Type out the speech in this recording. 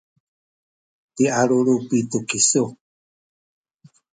pialulupi tu kisu